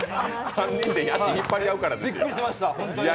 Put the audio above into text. ３人で足引っ張り合うからですよ、ホントに。